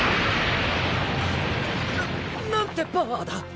ななんてパワーだ！